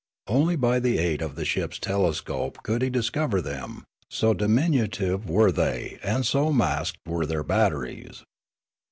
Only by aid of the ship's telescope could he discover them, so diminutive were they and so masked were their batteries.